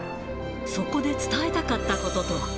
そこで伝えたかったこととは。